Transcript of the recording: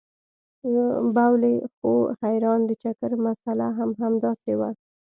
بولې خو خير ان د چکر مساله هم همداسې وه.